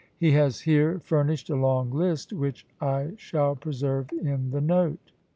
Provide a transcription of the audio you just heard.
He has here furnished a long list, which I shall preserve in the note.